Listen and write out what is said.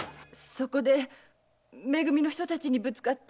そこでめ組の人たちにぶつかって。